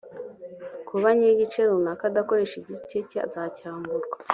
kuba nyir igice runaka adakoresha igice cye azakurwaho